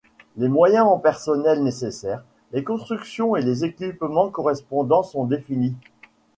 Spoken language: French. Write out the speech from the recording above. Les moyens en personnel nécessaires, les constructions et les équipements correspondants sont définis.